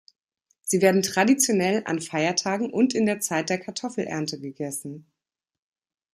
Sie werden traditionell an Feiertagen und in der Zeit der Kartoffelernte gegessen.